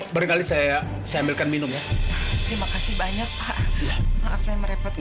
terima kasih banyak pak maaf saya merepotkan